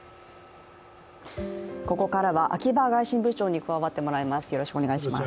ここからは秋場外信部長に加わってもらいます。